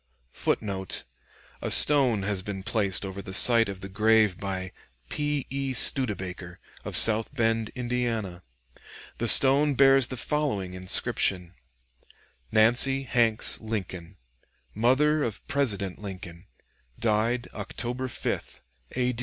[Footnote: A stone has been placed over the site of the grave "by P. E. Studebaker, of South Bend, Indiana." The stone bears the following inscription: "Nancy Hanks Lincoln, mother of President Lincoln, died October 5th, A.